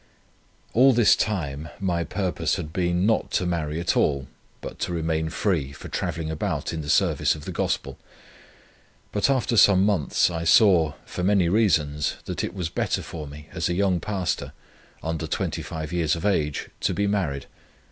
All this time my purpose had been, not to marry at all, but to remain free for travelling about in the service of the Gospel; but after some months I saw, for many reasons, that it was better for me, as a young Pastor, under 25 years of age, to be married.